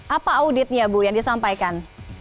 apa auditnya bu yang disampaikan